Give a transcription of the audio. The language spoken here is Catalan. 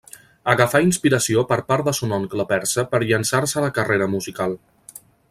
Agafà inspiració per part de son oncle persa per llançar-se a la carrera musical.